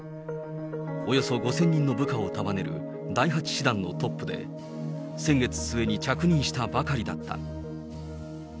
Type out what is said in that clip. およそ５０００人の部下を束ねる、第８師団のトップで、先月末に着任したばかりだった。